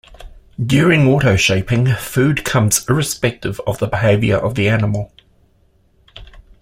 During autoshaping, food comes irrespective of the behavior of the animal.